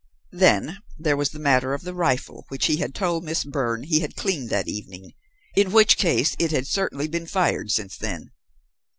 "Then there was the matter of the rifle, which he had told Miss Byrne he had cleaned that evening, in which case it had certainly been fired since then.